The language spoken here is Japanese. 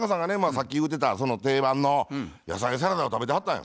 さっき言うてた定番の野菜サラダを食べてはったんよ。